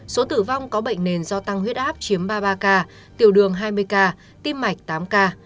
số tử vong có bệnh nền do tăng huyết áp chiếm ba mươi ba ca tiểu đường hai mươi ca tim mạch tám ca